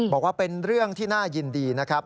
บอกว่าเป็นเรื่องที่น่ายินดีนะครับ